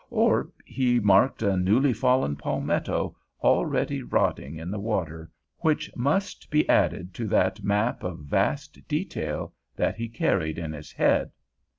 Or he marked a newly fallen palmetto, already rotting in the water, which must be added to that map of vast detail that he carried in his head.